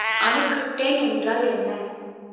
அணுக்கட்டெண் என்றால் என்ன?